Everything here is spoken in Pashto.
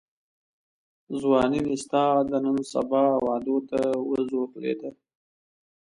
ځواني مي ستا د نن سبا وعدو ته وزوکلېده